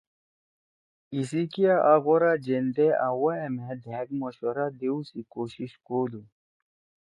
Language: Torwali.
ایِسی کیا آ غورا جیندے آں وائے مھأ دھأک مشورہ دیؤ سی کوشش کودُو